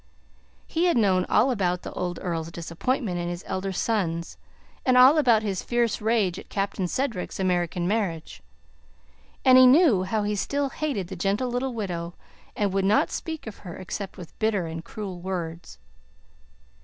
He had known all about the old Earl's disappointment in his elder sons and all about his fierce rage at Captain Cedric's American marriage, and he knew how he still hated the gentle little widow and would not speak of her except with bitter and cruel words.